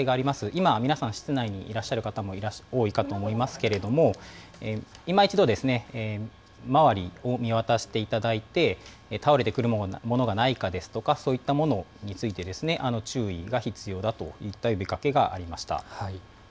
今、皆さん室内にいらっしゃる方も多いかと思いますけれども、今一度、周りを見渡していただいて、倒れてくるものがないかですとか、そういったものについて、注意が必要だといった呼びかけがありました。